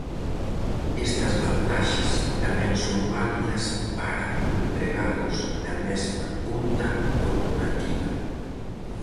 Estas vantaxes tamén son válidas para empregados na mesma conta corporativa.